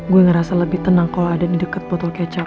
gue ngerasa lebih tenang kalau ada di dekat botol kecap